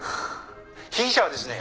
「被疑者はですね